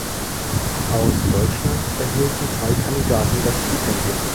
Aus Deutschland erhielten zwei Kandidaten das Stipendium.